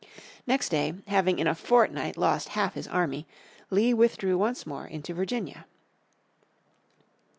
Next day, having in a fortnight lost half his army, Lee withdrew once more into Virginia.